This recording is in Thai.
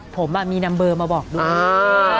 ผมมีนัมเบอร์มาบอกด้วย